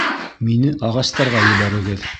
Мине ағастарға ебәрегеҙ.